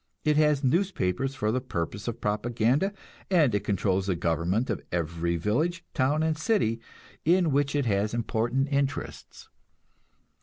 It has newspapers for the purpose of propaganda, and it controls the government of every village, town and city in which it has important interests.